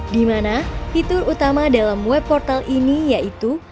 di mana fitur utama dalam web portal ini yaitu